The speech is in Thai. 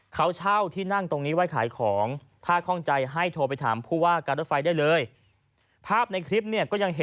เขาเช่าที่นั่งตรงนี้ไว้ขายของถ้าคล่องใจให้โทรไปถามผู้ว่าการรถไฟได้เลย